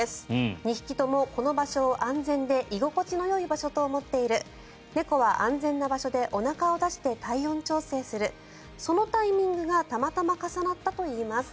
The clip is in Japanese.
２匹ともこの場所を、安全で居心地のよい場所と思っている猫は安全な場所でおなかを出して体温調整するそのタイミングがたまたま重なったといいます。